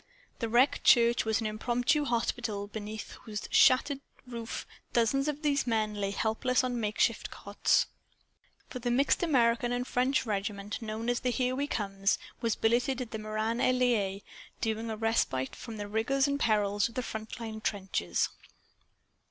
The wrecked church was an impromptu hospital beneath whose shattered roof dozens of these men lay helpless on makeshift cots. For the mixed American and French regiment known as the "Here We Comes" was billeted at Meran en Laye during a respite from the rigors and perils of the front line trenches.